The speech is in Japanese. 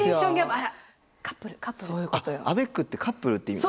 あっアベックってカップルって意味？